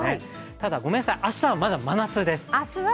ただ、ごめんなさい、明日はまだ真夏です。